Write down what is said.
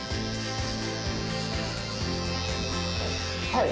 はい。